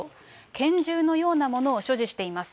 拳銃のようなものを所持しています。